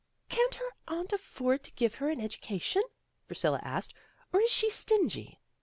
"Can't her aunt afford to give her an education?" Priscilla asked, "Or is she stingy?"